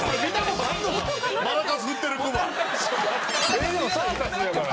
でもサーカスやから。